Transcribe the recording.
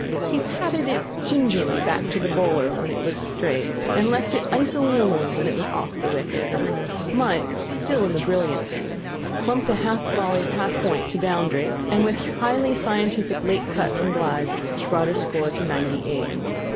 He patted it gingerly back to the bowler when it was straight, and left it icily alone when it was off the wicket. Mike, still in the brilliant vein, clumped a half volley past point to the boundary, and with highly scientific late cuts and glides brought his score to ninety eight.